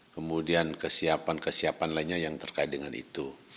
kemudian kesiapan kesiapan lainnya yang terkait dengan itu